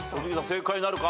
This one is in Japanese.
正解なるか？